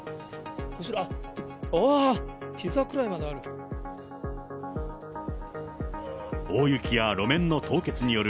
後ろ、あっ、ひざくらいまである。